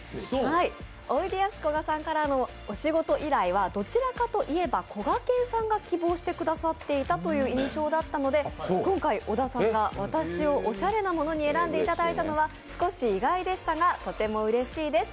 おいでやすこがさんからのお仕事依頼はどちらかといえばこがけんさんがお願いしていたという印象だったので今回、小田さんがオシャレなモノに選んでいただいたのは少し意外でしたが、とてもうれしいです。